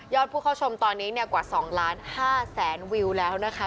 ยอดผู้ค่าชมตอนนี้เนี่ยกว่า๒๕๐๐๐๐๐วิวแล้วนะคะ